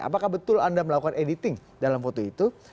apakah betul anda melakukan editing dalam foto itu